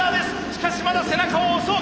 しかしまだ背中を押そう！